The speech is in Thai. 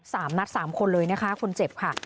สามนัดสามคนเลยนะคะคนเจ็บค่ะ